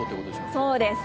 そうです。